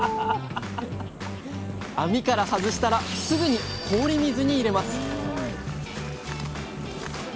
網から外したらすぐに氷水に入れます！